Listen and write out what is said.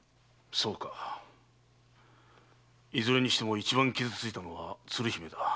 そうかいずれにしても一番傷ついたのは鶴姫だ。